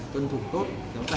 cân thuộc tốt kéo dài